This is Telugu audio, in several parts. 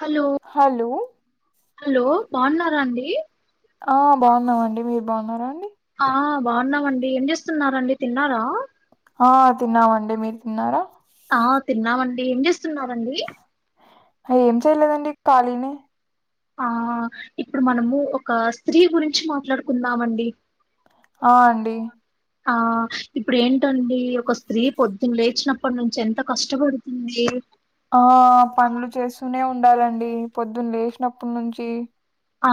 హలో హలో హలో బాగున్నారా అండి ఆ బాగున్నామండి మీరు బాగున్నారా అండి ఆ బాగున్నామండి ఏం చేస్తున్నారండి తిన్నారా ఆ తిన్నామండి మీరు తిన్నారా ఆ తిన్నామండి ఏం చేస్తున్నారండి ఏం చెయలేదండి కాలినే ఆ ఇప్పుడు మనము ఒక స్త్రీ గురించి మాట్లాడుకుందామండి ఆ అండి ఆ ఇప్పుడు ఏంటండి ఒక స్త్రీ పొద్దున్న లేచినప్పటి నుంచి ఎంత కష్టపడుతుంది ఆ పనులు చేస్తూనే ఉండాలండి పొద్దున్న లేచినప్పుడు నుంచి ఆ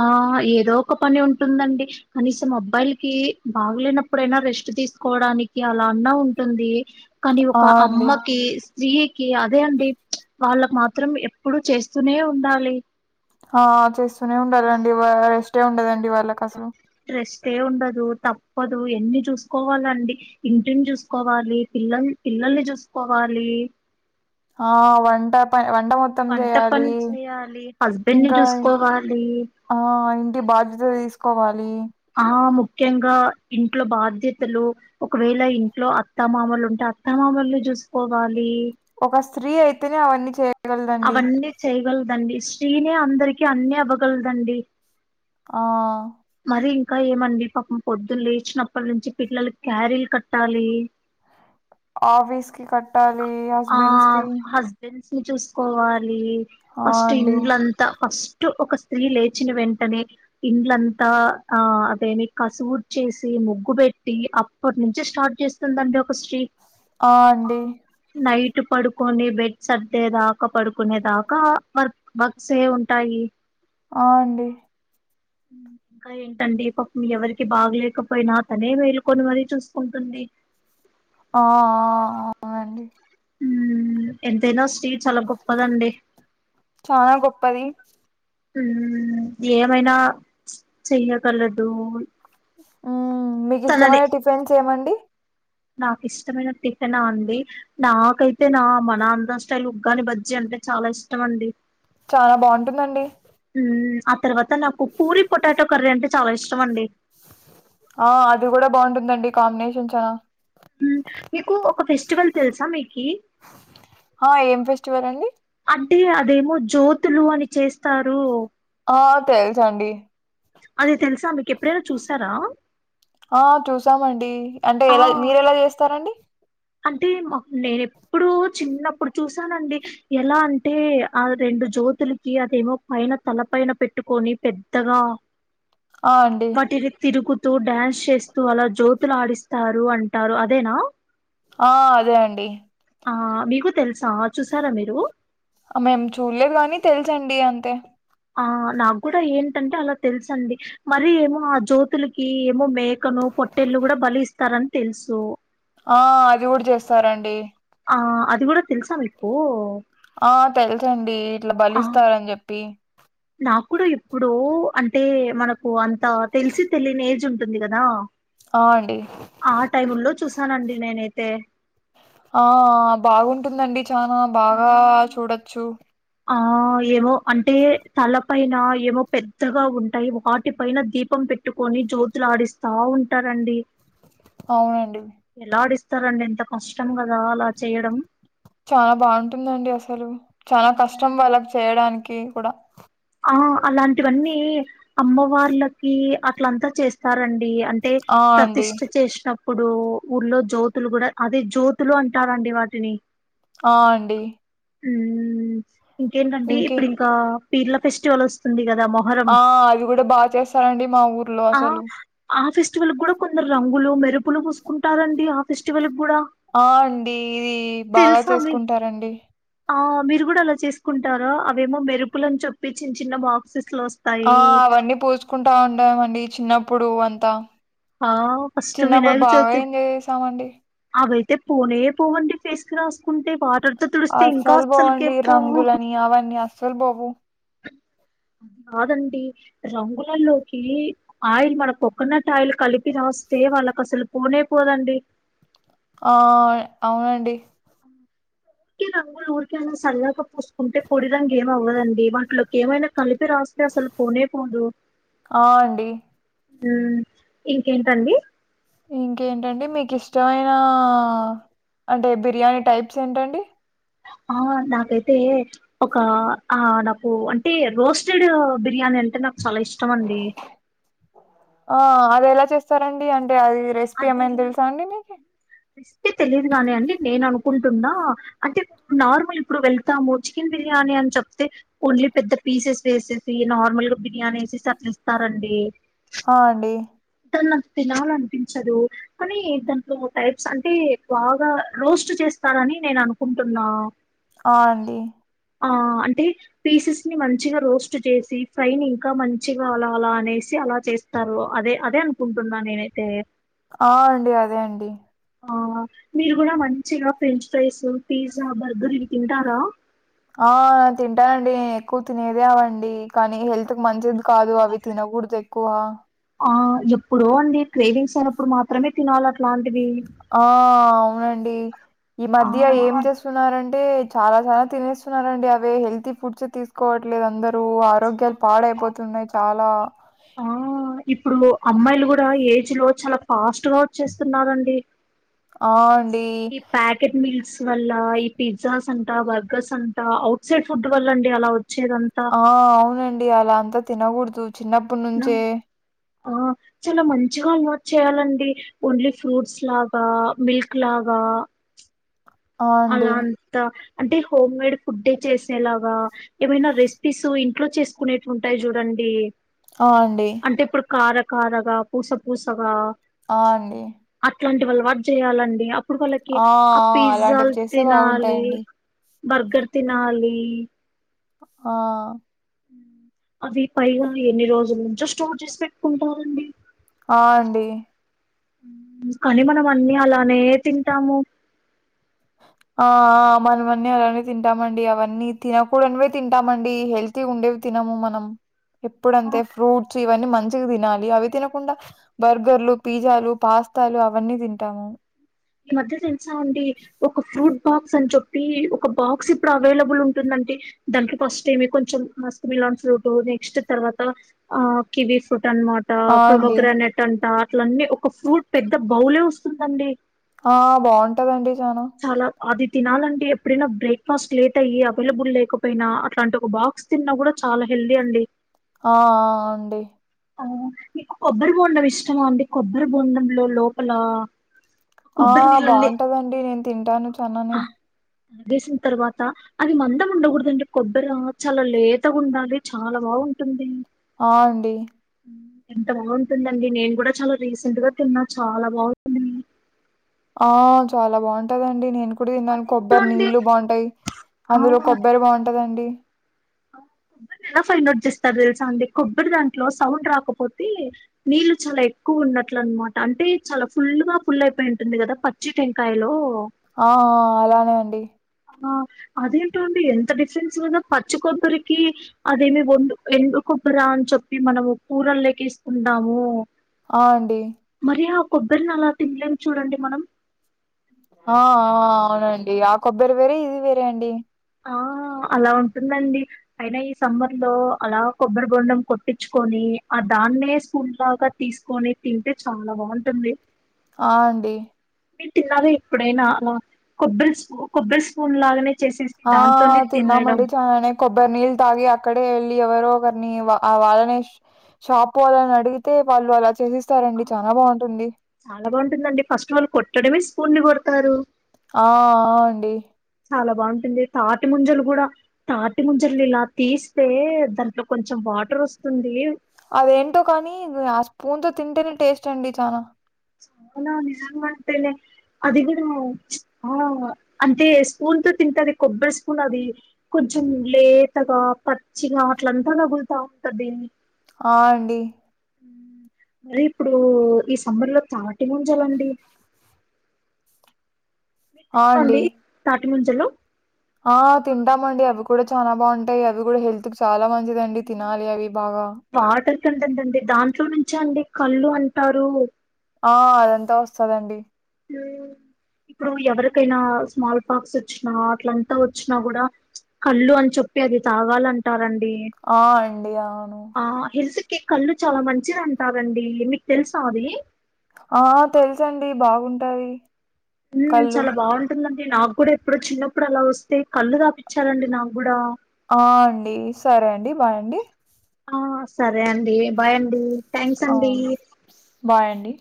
ఏదో ఒక పని ఉంటుందండి కనీసం అబ్బాయిలకి బాగులేనప్పుడైనా రెస్ట్ తీసుకోవడానికి అలా అన్న ఉంటుంది కానీ ఒక ఆ అండి అమ్మకి స్త్రీకి అదే అండి వాళ్ళకు మాత్రం ఎప్పుడు చేస్తూనే ఉండాలి ఆ చేస్తూనే ఉండాలండి వా రెస్టే ఉండదండి వాళ్ళకి అసలు పోదు ఎన్ని చూసుకోవాలండి ఇంటిని చూసుకోవాలి పిల్లల్ పిల్లల్ని చూసుకోవాలి లీ ఆ వంట పన్ వన్ వంట పని చేయాలి హస్బెండ్ ని ఇంకా చూసుకోవాలి ఆ ఇంటి బాధ్యత తీసుకోవాలి ఆ ముఖ్యంగా ఇంట్లో బాధ్యతలు ఒకవేళ ఇంట్లో అత్తమామలు ఉంటే అత్తమా మల్ని చూసుకోవాలి ఒక స్త్రీ అయితేనే అవన్నీ చే అవన్నీ చేయగలదండి స్త్రీనే అందరికి అన్ని అవ్వగలదండి ఆ మరి ఇంకా ఏమండి పాపం పొద్దున లేచినప్పటి నుంచి పిల్లల క్యారీలు కట్టాలి ఆఫీస్ కి కట్టాలి ఆ హస్బెండ్స్ కి హస్బెండ్స్ చూసుకోవాలి ఆ ఫస్ట్ అండి ఇండ్లంతా ఫస్ టు ఒక స్త్రీ లేచిన వెంటనే ఇండ్లంతా ఆ అదేని కసువు చేసి ముగ్గు పెట్టి అప్పటి నుంచే స్టార్ట్ చేస్తుందండి ఒక్ ఆ అండి నైట్ పడుకొని బెడ్స్ సర్ద్దేదాకా పడుకునే దాకా వర్క్ వర్క్స్ ఏ ఉంటా యి ఆ అండి ఉ ఇంకా ఏంటండి పాపం ఎవరికి బాగలేకపోయినా తనే మేల్కొని మరీ చూసుకుంటుంది ఆ ఆ అవునండి మ్ ఎంతైనా స్రి చాలా గొప్పదండి చాలా గొప్పది మ్ మ్ ఏమైనా చెయ్యగలదు మ్ మీకు తననే ఇష్టమైన టిఫిన్స్ ఏమండి నాకు ఇష్టమైన టిఫెన్ అండి నాకైతే నా మన ఆంధ్ర స్టైల్ ఉగ్గాని బజ్జీ అం అంటే చాలా ఇష్టం అండి చాలా బాగుంటుందండి మ్మ్ ఆ తర్వాత నాకు పూరి పొటాటో కర్రీ అంటే చాలా ఇష్టం అండి ఆ అది కూడా బాగుంటుందండి కాంబినేషన్ చనా మీకు ఒక ఫెస్టివల్ తెలుసా మీకి ఆ ఏం ఫెస్టివల్ అండి టే అదేమో జ్యోతులు అని చేస్తారు ఆ తెలుసండి అది తెలుసా మీకు ఎప్పుడైనా చూసారా ఆ చూసామండి అంటే ఆ ఎలా మీరు ఎలా చేస్తారండి అంటే మప్ నేను ఎప్పుడు చిన్నప్పుడు చూసానండి ఎలా అంటే ఆ రెండు జ్యోతులకి అదేమో పైన తల పైన పెట్టుకొని పెద్దగా ఆ అండి వాటిని తిరుగు తు డ్యాన్స్ చేస్తూ అలా జ్యోతులడిస్తారు అంటారు అదేనా ఆ అదే అండి ఆ మీకు తెలుసా చూసారా మీరు మేం చూడలేదు గానీ తెలుసండి అంతే ఆ నాకు కూడా ఏంటంటే అలా తెలుస అండి మరి ఏమో ఆ జ్యోతులకి మ్ మేకను పొట్టేళ్ళును కూడా బలి ఇస్తారని తెలుసు ఆఁ అది కూడ చేస్తారండి ఆఁ అది కూడ తెలుసా మీకు! ఆ తెలుసండి ఇట్ల ఆ బలీస్తారని చెప్పి ఏ మనకు అంత తెలిసి తెలియని ఏజ్ ఉంటుంది కదా! ఆ అండి ఆ టైముల్లో చూసానండి నేనైతే ఆఁ బాగుంటుందండి చాన బాగా చూడొచ్చు ఆ ఏమో అంటే చాల పైన ఏమో పెద్దగా ఉంటయి, వాటి పైన దీపం పెట్టుకొని జ్యోతులు ఆడిస్తా ఉంటా రండి అవునండి సరండి ఎంత కష్టం కదా అలా చెయ్యడం చాల బాగుంటుందండి అసలు చాల కష్టం వాళ్ళకు చెయ్యడానికి కూడ ఆఁ అలాంటివన్నీ అమ్మవార్లకి అట్లంతా చేస్తారం డి అంటే ఆ అండి ప్రతిష్ట చేసిన ప్పుడు ఊర్లో జ్యోతులు కూడ అదే జ్యోతులు అంటారండి వాటిని ఆఁ అండి హ్మ్ ఇంకేంటండి ఇంకే ఇప్పుడు ఇంకా పీర్ల ఫెస్టివల్ వస్తుంది క ఆఁ అది కూడ బాగ చేస్తారండి మా ఊర్లో ఆఁ అసలు ఆ ఫెస్టివల్ కూడ కొందరు రంగులు మెరుపులు పూసుకుంటారండి ఆ ఫెస్టివల్ కూడా ఆ అండి ఇది బాగ చేసుకుంటారండి ఆఁ మీరు కూడ అలా చేసుకుంటారా అవేమో మెరుపులని చెప్పి చిన్న చిన్న బాక్సెస్ లో వస్తాయి ఆఁ అవన్నీ పూసుకుంటా ఉండామండి చిన్నప్పుడు అంతా ఆ ఫస్ట్ చిన్నప్పుడు వినాయక బాగ చవితి ఎంజాయ్ చేసామండి అవైతే పోనే పోవండి ఫేస్ కి రాస్ కుంటే వాటర్తో తుడిస్తే ఇంకా అస్సలు అసలికే పోవు అసల్ బోవు కాదండి రంగులలోకి ఆయిల్ మన కొకోనట్ ఆయిల్ కలిపి రాస్తే వాళ్ళకి అసలు పోనే పోదండి ఆఁ అవునండి ఊరికే రంగులు ఊరికెనే సరదాగా పూసుకుంటే పొడి రంగు ఏమవ్వదండి, వాటిలోకి ఏమైనా కలి పి రాస్తే అసలు పోనే పోదు ఆ అండి మ్ఁ ఇంకేంటండి ఇంకేంటండి మీకు ఇష్టమైనా అంటే బిర్యానీ టైప్స్ ఏంటండి? ఆఁ నాకైతే ఒక ఆ నాకు అంటే రోస్టెడ్ బిర్యా ని అంటే నాకు చాలా ఇష్టం అండి. ఆఁ అది ఎలా చేస్తారండి అంటే అది రెసిపీ అది ఏమైనా ఎలా తెల్సా అండి మీకి? రెసిపీ తెలియదు గాని అండి నేను అనుకుంటున్నా అంటే నార్మల్ ఇప్పుడు వెళ్తాము చికెన్ బిర్యానీ అని చెప్తే ఓన్ లి పెద్ద పీసెస్ వేసేసి, నార్మల్ గా బిర్యానీ ఏసేసి, అట్ల ఇస్తారండి! హఁ అండి టే నాకు తినాలనిపించదు కానీ దాంట్లో టైప్స్ అంటే బాగా రోస్ట్ చేస్ తారని నేను అనుకుంటున్నా! ఆ అండి ఆ అంటే పీసెస్ ని మంచిగా రోస్ట్ చేసి ఫ్రై ని ఇంకా మంచిగా అలాఅలా అనేసి అలా చేస్తారు అదే అదే అనుకుంటున్నా నేనైతే ఆ అండి అదే అండి ఆ మీరు కూడా మంచిగా ఫ్రెంచ్ ఫ్రైస్ పిజ్జా బర్గర్ ఇవి తింటారా ఆ! తింటానండి. నేను ఎక్కువ తినేదే నండి కానీ హెల్త్ మంచిది కాదు అవి తినకూడదు ఎక్కువ ఆ ఎప్పుడో అండి క్రేవింగ్స్ అయినప్పుడు మాత్రమే తినాలి అట్లాంటివి ఆ! అవునండి ఈ ఆ మధ్య ఏం చేస్తున్నారంటే చాలా చాలా తినేస్తున్నారండి అవే హెల్తీ ఫుడ్స్ తీసుకోవట్లేదు అందరు సో ఆరోగ్యాలు పాడైపోతున్నాయి చాలా ఆ ఇప్పుడు అమ్మాయిలు కూడా ఏజ్ లో చాలా ఫాస్ట్ గా వచ్చేస్తున్నారండి అవును ఈ ప్యాకెట్ మిల్స్ వల్ల ఈ పిజ్జాస్ అంటా బర్గర్స్ అంటా ఔట్ సైడ్ ఫుడ్ వల్ అండి అలా వచ్చేదంతా ఆ అవునండి అలా అంతా తినకూడదు ఆ చాలా మంచిగా ఉ చేయాలండి ఓన్లీ ఫ్రూట్స్ లాగా మిల్క్ లాగా ఆ! అలా అండి. అంతా అంటే హోమ్ మేడ్ ఫుడ్డే చేసేలాగా ఏమైనా రెసిపీస్ ఇంట్లో చేసుకునేట్ ఉంటాయి చూడండి ఆ! అండి. అంటే ఇప్పుడు కార కారగా పూస పూసగా ఆ అండి ఇలాంటి వాళ్ళ వర్క్ చేయాలండి అప్పుడు వాళ్ళకి ఆ పిజ్జ అలాంటివి చేస్తే తినాలి బాగుంటాయండి. బర్గర్ తినాలి ఆ అవి పైగా ఎన్ని రోజుల నుంచో స్టోర్ చేసి పెట్టుకుంటారండి ఆ అండి కానీ మనం అన్ని అలానే తింటాము ఆ మనమన్నీ అలానే తింటామండి అవన్నీ తినకూడనివే తతింటామండి హెల్తీ ఉండేవి తినము మనం ఎప్పుడుంతే ఆ, ఫ్రూట్స్ ఇవన్నీ మంచి తినాలి అవి తినకుండా బర్గర్లు పిజ్జాలు పాస్తాలు అవన్నీ తింటాము ఈ మధ్య తెలుసామండి ఒక ఫ్రూట్ బాక్స్ అని చెప్పి ఒక బాక్స్ ఇప్పుడు అవైలబుల్ ఉంటుందండి దాంట్లో ఫస్ట్ ఏమి కొంచెం మస్క్ మిలాన్ ఫ్రూట్ నెక్స్ట్ తర్వాత ఆ కివి ఫ్రూట్ అనమాట ఆ! అండి. ప్రొమోగ్రానేట్ అంట అట్లన్నీ ఒక ఫ్రూట్ పెద్ద బౌలే వస్తుందండి ఆ బాగుంటదండి చానా చాలా అది తినాలంటే ఎప్పుడైనా బ్రేక్ఫాస్ట్ లేట్ అయ్యి అవైలబుల్ లేకపోయినా అట్లాంటి ఒక బాక్స్ తిన్నా కూడా చాలా హెల్దీ అండి ఆ అండి ఆ మీకు కొబ్బరి బొండం ఇష్టమా అండి కొబ్బరి బొండంలో లోపల ఆ కొబ్బరి నీళ్ళని బాగుంటదండి నేను తింటాను చానానే ఆ తాగేసిన తర్వాత అది మందం ఉండకూడదండి కొబ్బరి చాలా లేతగా ఉండాలి చాలా బాగు ఉంటుంది ఆ అండి ఎంత బాగుంటుందండి నేను కూడా చాలా రీసెంట్ గా తిన్నా చాలా బాగుంటుంది ఆ చాలా బాగుంటదండి నేను ఇప్పుడు తిన్నాను అదేంటో కొబ్బరి అండి నీళ్లు బాగుంటాయి అందులో కొబ్బరి బాగుంటదండి అ కొబ్బరి ఎలా ఫైండ్ అవుట్ చేస్తారు తెలుసా అండి కొబ్బరి దాంట్లో సౌండ్ రాకపోతే నీళ్ళు చాలా ఎక్కువ ఉన్నట్లనమాట అంటే చాలా ఫుల్ గా ఫుల్ అయిపోయి ఉంటుంది కదా పచ్చి టెంకాయలో ఆ అలానే అండి ఆ అదేంటో అండి ఎంత డిఫరెన్స్ లోనా పచ్చికొబ్బరికి అదేమి వందు ఎండు రా అని చెప్పి మనము కూరలేకేసుకుంటాము ఆ అండి కొబ్బరిని అలా తినలేం చూడండి మనం ఆ ఆ అవునండి ఆ కొబ్బరి వేరే ఇది వేరే అండి ఆ అలా ఉంటుందండి అయినా ఈ సమ్మర్ లో అలా కొబ్బరి బొండం కొట్టిచుకొని ఆ దా అన్నే స్కూల్ లాగా తీసుకొని తింటే చాలా బాగుంటుంది ఆ అండి మీరు తిన్నరా ఎప్పుడైనా కొబ్బరి స్పూ కొబ్బరి స్పూన్ లాగానే చేసేసి ఆ దాంతోనే తినడం తిన్నామండి చానే కొబ్బరినీల్ తాగి అక్కడే వెళ్ళి ఎవరో ఒకరిని వాళ్ళ [unintelligible] షాప్ వాల్లని అడిగితే వాళ్ళు అలా చేసి ఆ చాలా బాగుంటుందండి ఫస్ట్ వాళ్ళు కొట్టడమే స్కూల్ ని కొడతారు ఆ ఆ అండి చాలా బాగుంటుంది తాటి ముంజలు కూడా తాటి ముంజలు ఇలా తీస్తే దాంట్లో కొంచెం వాటర్ వస్తుంది అదేంటో కానీ ఆ స్పూన్ తో తింటేనే టేస్ట్ అండి చానా చాలా నిజం గా అంటేనే అది కూడా చ్ ఆ అంతే స్కూ తింటది కొబ్బరి స్పూన్ అది కొంచెం లేతగా పచ్చిగా అట్లంతా తగులుత ంతదిని [unintelligible] ఆ అండి మరి ఇప్పుడు ఈ సమ్మర్ లో తాటి ముంజ లండి ఆ అండి ఏ ముంజలు ఆ తింటామండి అవి కూడా చానా బాగుంటాయి అవి కూడా హెల్త్ వాటర్ కంటెంట్ అండి దాంట్లో నుంచే అండి కళ్ళు అంటారు ఆ అదంతా వస్తదండి ఉం ఇప్పుడు ఎవరికైనా స్మాల్ పార్క్స్ వచ్చినా అట్లంతా వచ్చినా కూడా కళ్ళు అని చెప్పి అది తాగాలంటారండి ఆ! అండి. అవును. ఆ హెల్త్ కె కళ్ళు చాలా మంచిది అంటారండి మీకు తెలుసా అది ఆ తెలుసు అండి బాగుంటాది ఉం చాలా బాగుంటుందండి నాకు కూడా ఎప్పుడో చిన్నప్పుడు అలా వస్తే కళ్ళు తాపూచ్చాలండి నాకు కూడా ఆ అండి సరే అండి బాయండి ఆ సరే అండి బాయ్ అండి థ్యాంక్స్ ఆ అండి బాయండి